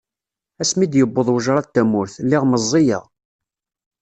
Asmi d-yewweḍ wejraḍ tamurt, lliɣ meẓẓiyeɣ.